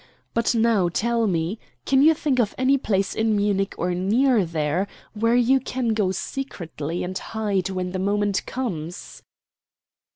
But now tell me, can you think of any place in Munich, or near there, where you can go secretly and hide when the moment comes?"